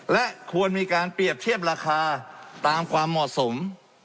และควรมีการเปรียบเทียบราคาตามความเหมาะสม